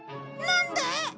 なんで！？